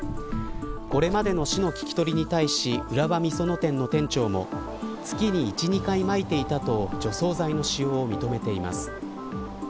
これまでの市の聞き取りに対し浦和美園店の店長も月に１、２回まいていたと除草剤の使用を認めています。